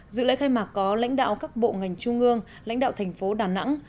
dự lễ khai mạc có lãnh đạo các bộ ngành trung ương lãnh đạo thành phố đà nẵng